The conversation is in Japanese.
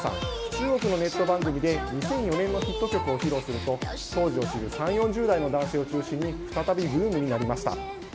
中国のネット番組で２００４年のヒット曲を披露すると当時を知る３０代、４０代の男性を中心に再びブームになりました。